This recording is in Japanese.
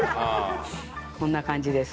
こんな感じです。